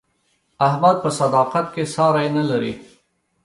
احمد په صداقت کې ساری نه لري.